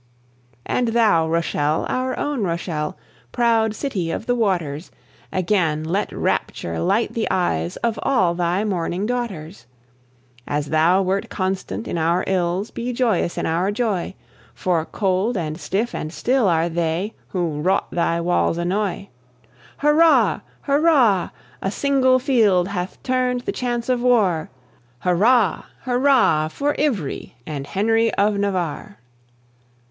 And thou, Rochelle, our own Rochelle, proud city of the waters, Again let rapture light the eyes of all thy mourning daughters. As thou wert constant in our ills, be joyous in our joy, For cold, and stiff, and still are they who wrought thy walls annoy. Hurrah! Hurrah! a single field hath turned the chance of war, Hurrah! Hurrah! for Ivry, and Henry of Navarre.